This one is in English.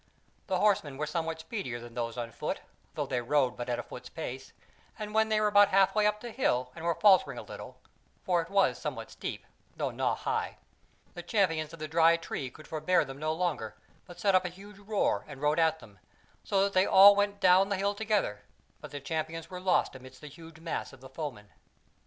The horsemen were somewhat speedier than those on foot, though they rode but at a foot's pace, and when they were about halfway up the hill and were faltering a little (for it was somewhat steep, though nought high), the Champions of the Dry Tree could forbear them no longer, but set up a huge roar, and rode at them, so that they all went down the hill together, but the Champions were lost amidst of the huge mass of the foemen.